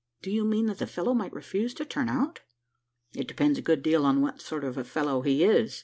"Do you mean, that the fellow might refuse to turn out?" "It depends a good deal on what sort of a fellow he is.